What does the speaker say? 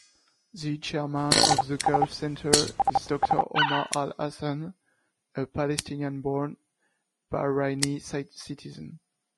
The Chairman of the Gulf Center is Doctor Omar Al-Hassan, a Palestinian-born Bahraini citizen.